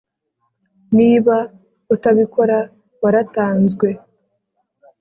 niba utabikora waratanzwe